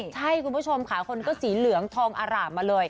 ใช่คุณผู้ชมค่ะคนก็สีเหลืองทองอร่ามมาเลย